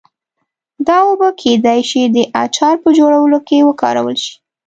دا اوبه کېدای شي د اچار په جوړولو کې وکارول شي.